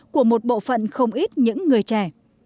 của một bộ phận không ít những người trẻ